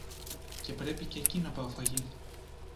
και πρέπει κι εκεί να πάω φαγί